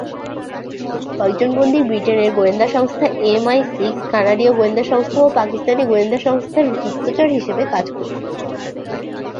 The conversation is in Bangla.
কয়েকজন বন্দী ব্রিটেনের গোয়েন্দা সংস্থা এমআই-সিক্স, কানাডীয় গোয়েন্দা সংস্থা ও পাকিস্তানি গোয়েন্দা সংস্থা গুপ্তচর হিসাবে কাজ করতো।